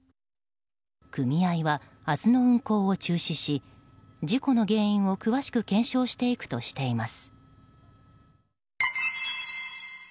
組合は明日の運航を中止し事故の原因を詳しく検証していくとしています。